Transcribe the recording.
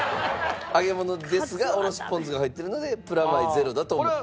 揚げ物ですがおろしポン酢が入ってるのでプラマイゼロだと思っていると。